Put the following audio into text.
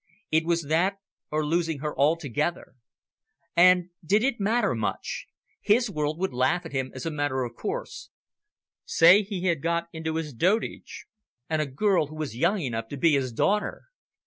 It was that or losing her altogether. And did it matter much? His world would laugh at him as a matter of course, say he had got into his dotage. And a girl who was young enough to be his daughter!